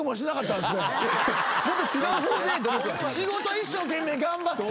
仕事一生懸命頑張って。